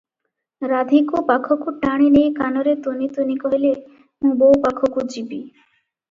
ରାଧୀକୁ ପାଖକୁ ଟାଣି ନେଇ କାନରେ ତୁନି ତୁନି କହିଲେ, "ମୁଁ ବୋଉ ପାଖକୁ ଯିବି ।"